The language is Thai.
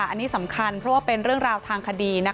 อันนี้สำคัญเพราะว่าเป็นเรื่องราวทางคดี